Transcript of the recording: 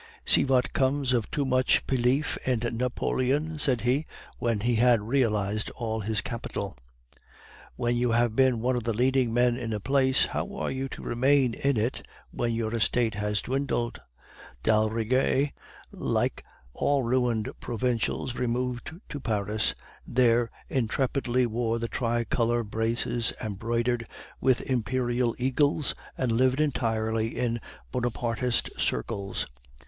'See vat komms of too much pelief in Nappolion,' said he, when he had realized all his capital. "When you have been one of the leading men in a place, how are you to remain in it when your estate has dwindled? D'Aldrigger, like all ruined provincials, removed to Paris, there intrepidly wore the tricolor braces embroidered with Imperial eagles, and lived entirely in Bonapartist circles.